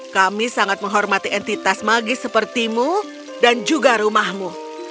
kami sangat menghormati entitas magis sepertimu dan juga rumahmu